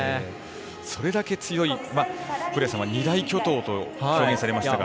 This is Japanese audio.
それだけ強い古屋さんは二大巨頭と表現されましたが。